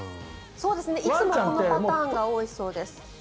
いつもこのパターンが多いそうです。